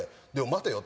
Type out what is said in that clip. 待てよと。